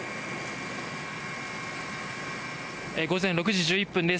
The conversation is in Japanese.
午前６時１１分です。